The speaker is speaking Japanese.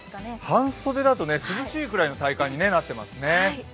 半袖だと涼しいぐらいの体感になってますね。